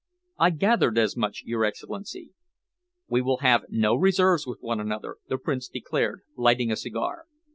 "I gathered as much, your Excellency." "We will have no reserves with one another," the Prince declared, lighting a cigar.